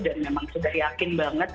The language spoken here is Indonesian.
dan memang sudah yakin banget